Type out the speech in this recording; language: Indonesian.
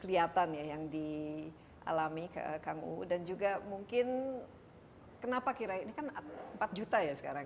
kelihatan ya yang dialami kang uu dan juga mungkin kenapa kira ini kan empat juta ya sekarang